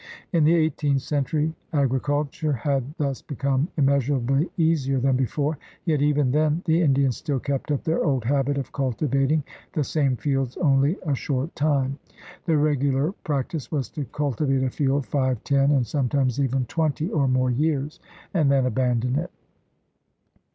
In the eighteenth century agriculture had thus become immeasurably easier than before, yet even then the Indians still kept up their old habit of cultivating the same fields only a short time. The regular practice was to cultivate a field five, ten, and sometimes even twenty or more years, and then abandon it.